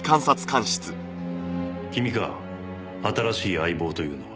君か新しい相棒というのは。